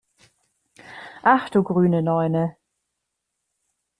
Ach du grüne Neune!